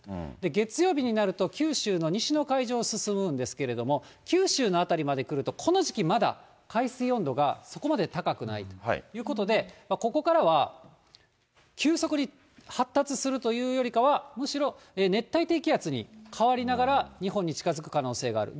月曜日になると九州の西の海上を進むんですけれども、九州の辺りまで来ると、この時期、まだ海水温度がそこまで高くないということで、ここからは急速に発達するというよりかは、むしろ熱帯低気圧に変わりながら、日本に近づく可能性がある。